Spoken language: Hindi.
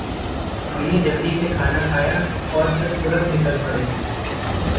हमने जल्दी से खाना खाया और फिर तुरन्त निकल पड़े।